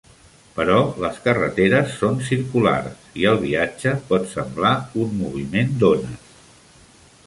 Però les carreteres són circulars i el viatge pot semblar un moviment d'ones.